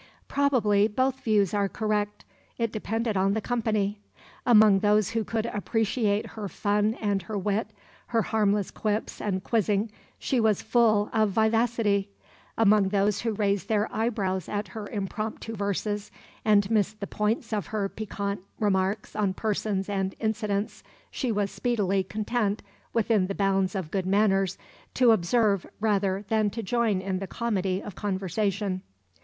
Probably both views are correct. It depended on the company. Among those who could appreciate her fun and her wit, her harmless quips and quizzing, she was full of vivacity; among those who raised their eyebrows at her impromptu verses and missed the points of her piquant remarks on persons and incidents she was speedily content, within the bounds of good manners, to observe rather than to join in the comedy of conversation.